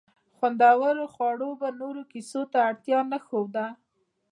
خوندورو خوړو به نورو کیسو ته اړتیا نه پرېښوده.